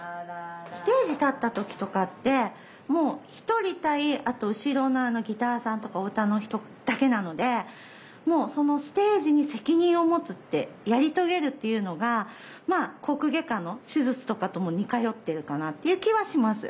ステージ立った時とかってもう１人対あと後ろのギターさんとか歌の人だけなのでもうそのステージに責任を持つってやり遂げるっていうのがまあ口腔外科の手術とかとも似かよってるかなっていう気はします。